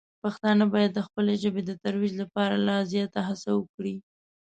پښتانه باید د خپلې ژبې د ترویج لپاره لا زیاته هڅه وکړي.